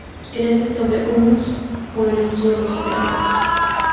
Crece sobre humus, o en suelo sobre rocas.